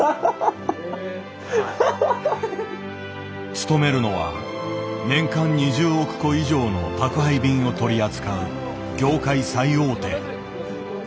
勤めるのは年間２０億個以上の宅配便を取り扱う業界最大手。